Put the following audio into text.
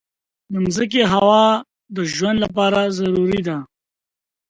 د مځکې هوا د ژوند لپاره ضروري ده.